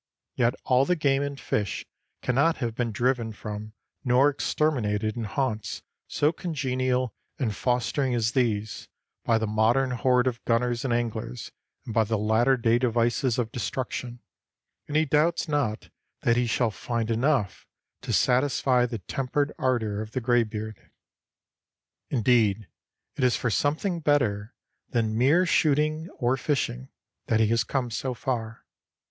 Yet all the game and fish cannot have been driven from nor exterminated in haunts so congenial and fostering as these, by the modern horde of gunners and anglers and by the latter day devices of destruction, and he doubts not that he shall find enough to satisfy the tempered ardor of the graybeard. Indeed, it is for something better than mere shooting or fishing that he has come so far.